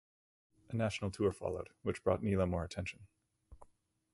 A national tour followed, which brought Nele more attention.